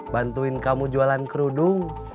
bantuin kamu jualan kerudung